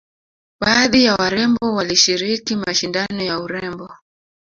baadhi ya warembo walishiriki mashindano ya urembo